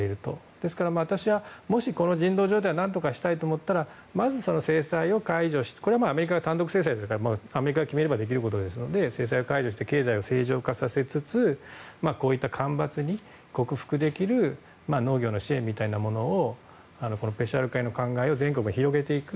ですから、私はもしこの人道状態を何とかしたいと思ったらまず制裁を解除してこれはアメリカの単独制裁なのでアメリカが決めればできることですが制裁を解除して経済を正常化させつつこういった干ばつを克服できる農業支援みたいなものをペシャワール会の考えを全国に広げていく。